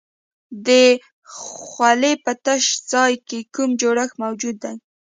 د خولې په تش ځای کې کوم جوړښت موجود دی؟